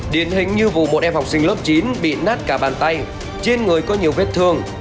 điển hình như vụ một em học sinh lớp chín bị nát cả bàn tay trên người có nhiều vết thương